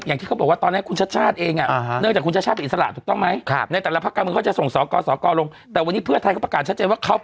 ยังมีอิสระอีกอ่าฮะอืมสามหกสามสี่สามหกสามหกสามสี่สามแปดสามกว่า